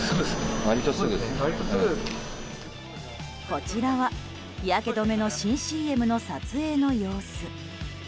こちらは日焼け止めの新ＣＭの撮影の様子。